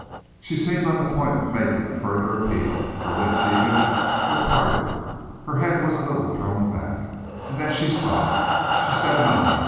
She seemed on the point of making a further appeal. Her lips, even, were parted, her head a little thrown back. And then she stopped. She said nothing.